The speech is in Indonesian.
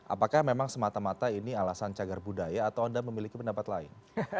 apakah memang semata mata ini alasan cagar budaya atau anda memiliki pendapat lain